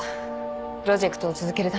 プロジェクトを続けるためには。